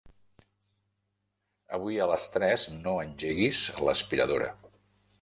Avui a les tres no engeguis l'aspiradora.